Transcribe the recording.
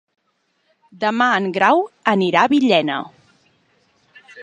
Demà en Grau anirà a Villena.